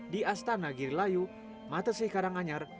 di astana girilayu matesih karanganyar